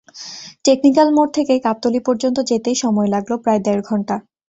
Technical মোড় থেকে গাবতলী পর্যন্ত যেতেই সময় লাগল প্রায় দেড় ঘণ্টা।